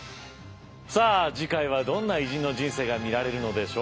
さあ次回はどんな偉人の人生が見られるのでしょうか。